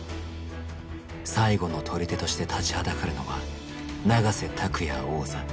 最後の砦として立ちはだかるのは永瀬拓矢王座。